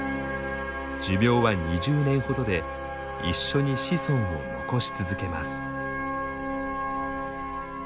寿命は２０年ほどで一緒に子孫を残し続けます。